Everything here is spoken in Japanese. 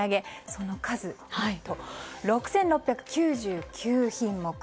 その数、何と６６９９品目。